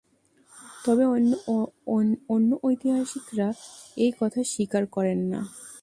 তবে অন্য ঐতিহাসিকরা এই কথা স্বীকার করেন না।